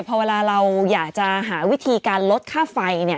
พอเวลาเราอยากจะหาวิธีการลดค่าไฟ